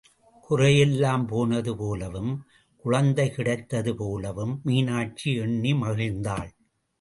குறையெல்லாம் போனது போலவும், குழந்தை கிடைத்தது போலவும் மீனாட்சி எண்ணி மகிழ்ந்தாள்.